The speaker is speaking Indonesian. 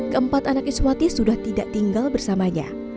keempat anak iswati sudah tidak tinggal bersamanya